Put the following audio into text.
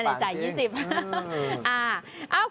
อันนี้จ่าย๒๐บาท